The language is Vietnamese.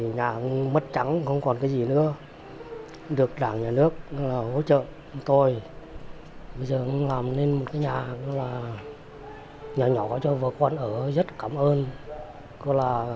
nhà nước đã hỗ trợ chúng tôi bây giờ cũng làm nên một cái nhà nhỏ cho vợ con ở rất cảm ơn